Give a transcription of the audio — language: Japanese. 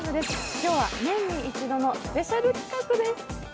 今日は年に一度のスペシャル企画です。